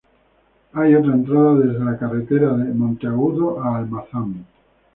Hay otra entrada desde la carretera de Monteagudo a Almazán.